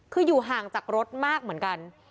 คืออยู่ห่างจากรถมากเหมือนกัน